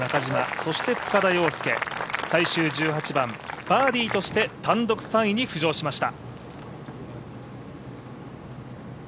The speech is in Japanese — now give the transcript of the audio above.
そして塚田陽亮、最終１８番、バーディーとして単独３位に浮上しました。